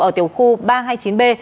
ở tiểu khu ba trăm hai mươi chín b